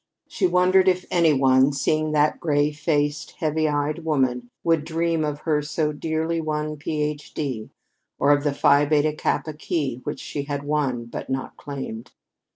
She wondered if any one, seeing that gray faced, heavy eyed woman, would dream of her so dearly won Ph.D. or of the Phi Beta Kappa key which she had won but not claimed!